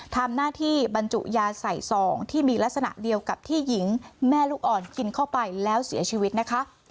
ทำหน้าที่บรรจุยาใส่ซองที่มีลักษณะเดียวกับที่หญิงแม่ลูกอ่อนกินเข้าไปแล้วเสียชีวิตนะคะ